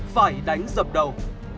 phải đánh dập đầu